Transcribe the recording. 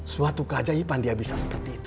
suatu keajaiban dia bisa seperti itu